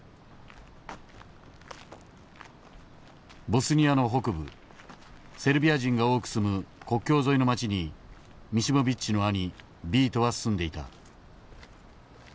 ボスニアの北部セルビア人が多く住む国境沿いの街にミシモビッチの兄ヴィートは住んでいた。